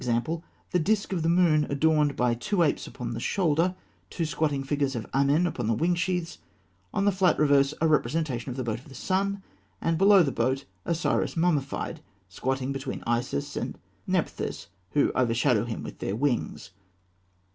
_, the disc of the moon adorned by two apes upon the shoulder; two squatting figures of Amen upon the wing sheaths; on the flat reverse, a representation of the boat of the Sun; and below the boat, Osiris mummified, squatting between Isis and Nephthys, who overshadow him with their wings.